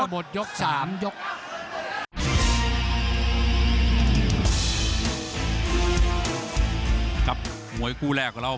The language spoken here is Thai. ภูตวรรณสิทธิ์บุญมีน้ำเงิน